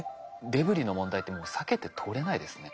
デブリの問題ってもう避けて通れないですね。